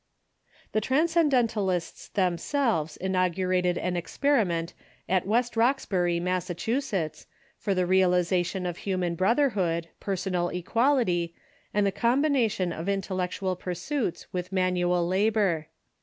The Transcendentalists themselves inaugurated an experi ment at West Roxbury, Massachusetts, for the realization of human brotherhood, personal equality, and the com Brook Farm ,....,,^,..,,,, bination ot intellectual pursuits with manual labor.